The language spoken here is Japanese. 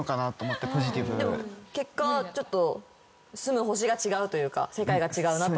でも結果はちょっと住む星が違うというか世界が違うなと。